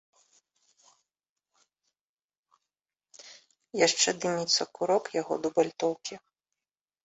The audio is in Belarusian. Яшчэ дыміцца курок яго дубальтоўкі.